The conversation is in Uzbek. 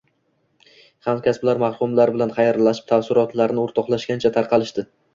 Hamkasblar marhum bilan xayrlashib, taassurotlarini o`rtoqlashgancha tarqalishdi